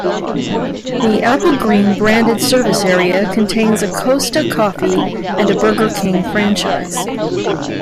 The "Applegreen" branded service area contains a Costa Coffee and a Burger King franchise.